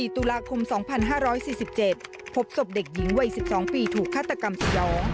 ๔ตุลาคม๒๕๔๗พบศพเด็กหญิงวัย๑๒ปีถูกฆาตกรรมสยอง